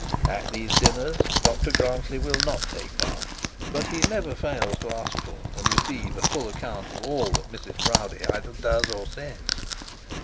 At these dinners Dr Grantly will not take a part; but he never fails to ask for and receive a full account of all that Mrs Proudie does or says.